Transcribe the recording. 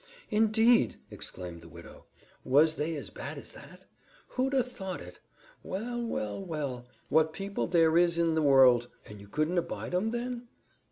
"INDEED!" exclaimed the widow. "Was they as bad as that? Who'd 'a' thought it! Well, well, well; what people there is in the world! And you couldn't abide 'em, then?"